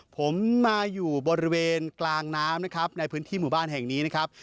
ผมมาอยู่บริเวณกลางน้ำนะครับในพื้นที่หมู่บ้านแห่งนี้นะครับ